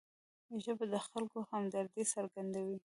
ژبه د خلکو همدردي څرګندوي